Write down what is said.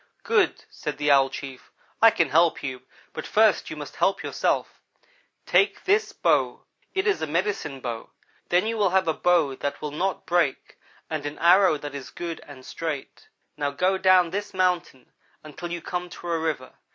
"'Good,' said the Owl chief, 'I can help you, but first you must help yourself. Take this bow. It is a medicine bow; then you will have a bow that will not break and an arrow that is good and straight. Now go down this mountain until you come to a river.